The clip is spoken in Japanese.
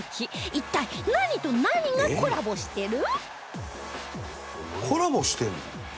一体何と何がコラボしてる？